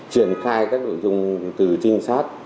truyền khai các nội dung từ trinh sát